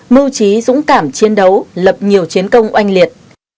mưu trí dũng cảm chiến đấu lập nhiều chiến công oanh liệt